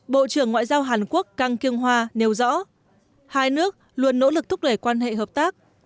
bộ trưởng ngoại giao hàn quốc kang kyung hoa nêu rõ hai nước luôn nỗ lực thúc đẩy quan hệ hợp tác